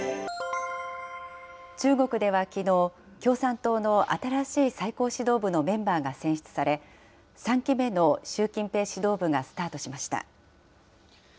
中国ではきのう、共産党の新しい最高指導部のメンバーが選出され、３期目の習近平指導部がスタートしました。